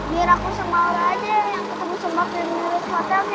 biar aku sama allah aja yang ketemu sembah krimnya di hotelnya